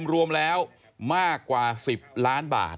รวมแล้วมากกว่า๑๐ล้านบาท